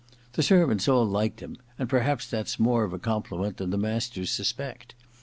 The servants all liked him, and perhaps that's more of a compliment than the masters suspect.